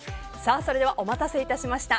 それではお待たせいたしました。